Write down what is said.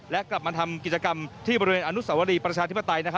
และกลับมาทำกิจกรรมที่บริเวณอนุสวรีประชาธิปไตย